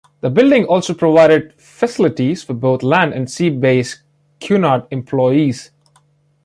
The building also provided facilities for both land and sea based Cunard employees.